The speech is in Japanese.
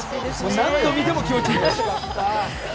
何回見ても気持ちいい！